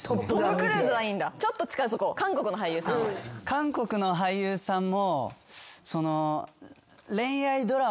韓国の俳優さんも。